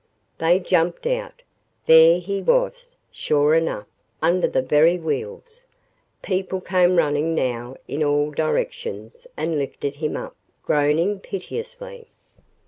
They jumped out. There he was, sure enough, under the very wheels. People came running now in all directions and lifted him up, groaning piteously.